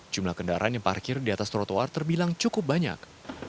jumlah kendaraan yang parkir di atas trotoar terbilang cukup banyak